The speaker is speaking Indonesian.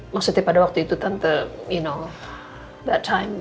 maksudnya pada waktu itu tante you know that time